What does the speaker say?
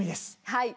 はい。